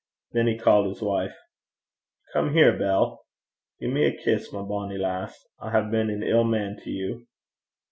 Then he called his wife. 'Come here, Bell. Gie me a kiss, my bonny lass. I hae been an ill man to you.'